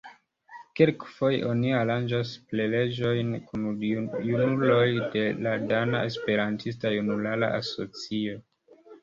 Kelkfoje oni aranĝas prelegojn kun junuloj de la Dana Esperantista Junulara Asocio.